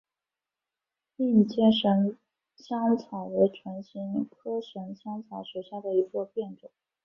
硬尖神香草为唇形科神香草属下的一个变种。